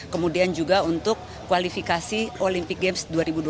kemudian juga untuk kualifikasi olimpia games dua ribu dua puluh tiga